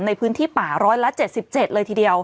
ในพื้นที่ป่าร้อยละ๗๗เลยทีเดียว